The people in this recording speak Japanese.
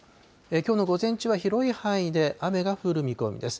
きょうの午前中は広い範囲で雨が降る見込みです。